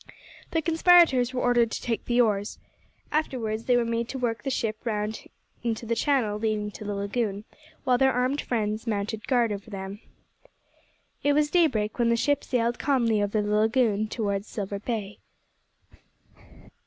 The conspirators were ordered to take the oars. Afterwards they were made to work the ship round into the channel leading to the lagoon, while their armed friends mounted guard over them. It was daybreak when the ship sailed calmly over the lagoon towards Silver Bay.